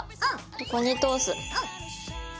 ここに通す。